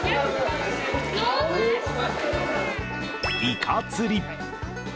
イカ釣り。